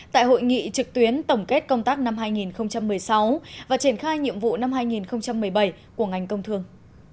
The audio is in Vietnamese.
tại hội nghị trực tuyến tổng kết công tác năm hai nghìn một mươi sáu và triển khai nhiệm vụ năm hai nghìn một mươi bảy của ngành công thương